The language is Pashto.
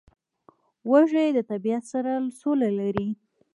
وزې د طبیعت سره سوله لري